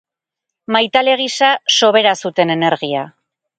Maitale gisa sobera zuten energia.